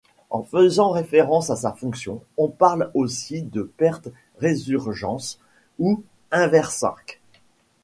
En faisant référence à sa fonction, on parle aussi de perte-résurgence ou inversac.